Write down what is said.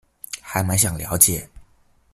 還滿想了解